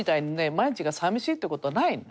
毎日が寂しいって事はないの。